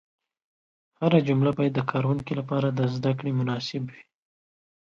هره جمله باید د کاروونکي لپاره د زده کړې مناسب وي.